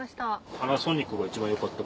パナソニックが一番よかった？